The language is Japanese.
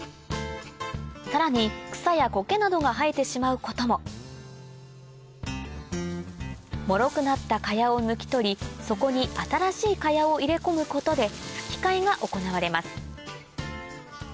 さらに草やコケなどが生えてしまうことももろくなった茅を抜き取りそこに新しい茅を入れ込むことでふき替えが行われます